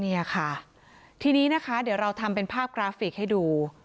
เนี่ยค่ะทีนี้นะคะเดี๋ยวเราทำเป็นภาพกราฟิกให้ดู